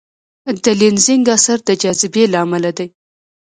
د لینزینګ اثر د جاذبې له امله دی.